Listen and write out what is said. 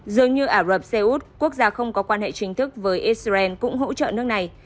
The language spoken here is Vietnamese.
dường như ả rập xê út quốc gia không có quan hệ chính thức với israel cũng hỗ trợ nước này